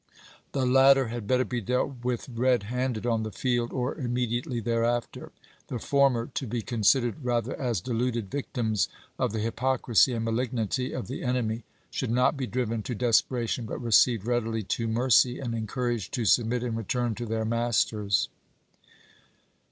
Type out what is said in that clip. The latter had better be dealt with red handed on the field or immediately thereafter. The former, to be considered rather as deluded victims of the hypocrisy and malignity of the enemy, should not be driven to desperation, but voi^xxii., received readily to mercy and encouraged to sub p. 965." mit and return to their masters."